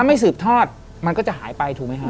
ถ้าไม่สืบทอดมันก็จะหายไปถูกไหมฮะ